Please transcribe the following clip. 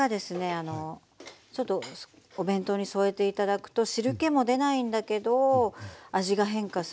あのちょっとお弁当に添えて頂くと汁けも出ないんだけど味が変化する。